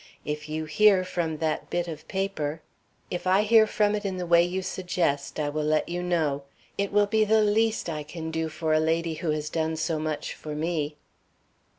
If you hear from that bit of paper " "If I hear from it in the way you suggest I will let you know. It will be the least I can do for a lady who has done so much for me."